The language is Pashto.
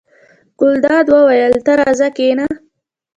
ګلداد وویل: ته راځه کېنه.